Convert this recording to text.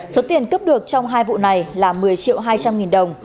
số tiền cướp được trong hai vụ này là một mươi triệu hai trăm linh nghìn đồng